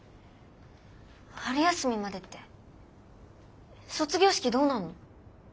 春休みまでって卒業式どうなんの？